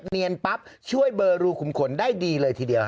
เนียนปั๊บช่วยเบอร์รูขุมขนได้ดีเลยทีเดียว